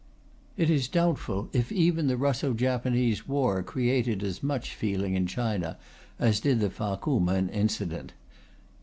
"It is doubtful if even the Russo Japanese war created as much feeling in China as did the Fa ku men incident.